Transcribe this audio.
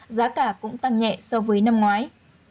giá cả cũng tăng nhẹ so với năm ngoái